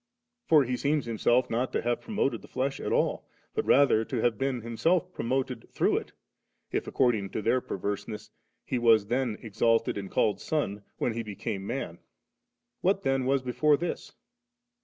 For He seems Himself not to have promoted the flesh at all, but rather to have been Himself promoted through it, i( ac cording to their perverseness, He was then exalted and called Son, when He became man. What then was before this